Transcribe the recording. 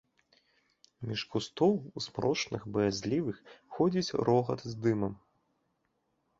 Між кустоў, змрочных, баязлівых, ходзіць рогат з дымам.